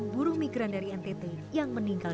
buruh migran dari ntt yang meninggal